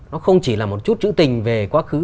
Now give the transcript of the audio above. nó không chỉ là một chút chữ tình về quá khứ